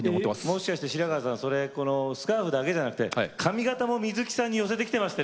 もしかして白川さんそれスカーフだけじゃなくて髪形も水木さんに寄せてきてますね？